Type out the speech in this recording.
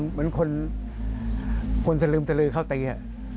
เหมือนคนคนสลืมตะลือเข้าเตีย